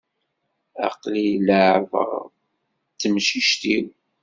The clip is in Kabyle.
Aql-i leεεbeɣ d temcict-iw.